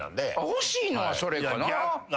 欲しいのはそれかな。